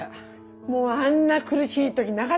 もうあんな苦しい時なかったからね